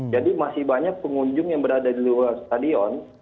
jadi masih banyak pengunjung yang berada di luar stadion